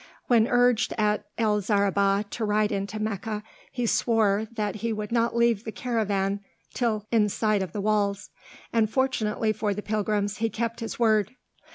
When urged at El Zaribah to ride into Meccah, he swore that he would not leave the caravan till in sight of the walls; and fortunately for the pilgrims, he kept his word.